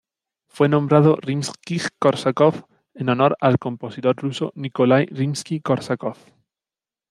Fue nombrado Rimskij-Korsakov en honor al compositor ruso Nikolái Rimski-Kórsakov.